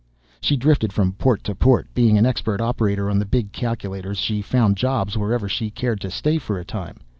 She drifted from port to port. Being an expert operator on the big calculators she found jobs wherever she cared to stay for a time.